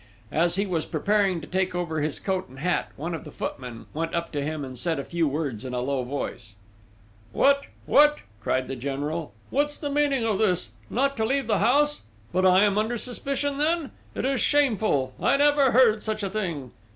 As he was preparing to take over his coat and hat, one of the footmen went up to him and said a few words in a low voice: "What!... What!" cried the General. "What's the meaning of this?... Not to leave the house!... But, am I under suspicion then?... It is shameful!... I never heard of such a thing!"